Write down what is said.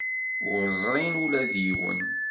Ur ẓrin ula d yiwen?